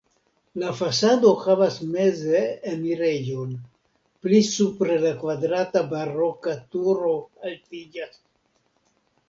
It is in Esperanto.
La fasado havas meze enirejon, pli supre la kvadrata baroka turo altiĝas.